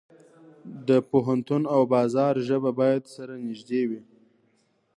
د پوهنتون او بازار ژبه باید سره نږدې وي.